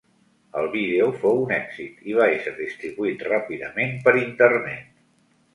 El vídeo fou un èxit i va ésser distribuït ràpidament per Internet.